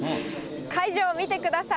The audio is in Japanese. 会場見てください。